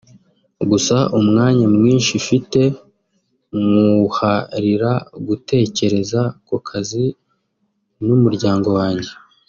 gusa umwanya mwinshi mfite nywuharira gutekereza ku kazi n’umuryango wanjye